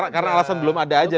karena alasan belum ada saja